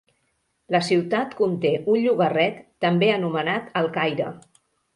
La ciutat conté un llogarret també anomenat El Caire.